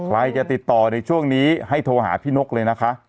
ใครจะติดต่อในช่วงนี้ให้โทรหาพี่นกเลยนะคะ